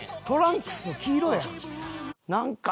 トランクスの黄色やん。